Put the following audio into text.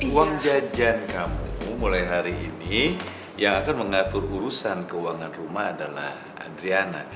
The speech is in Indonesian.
uang jajan kamu mulai hari ini yang akan mengatur urusan keuangan rumah adalah adriana